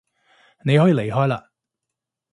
你可以離開嘞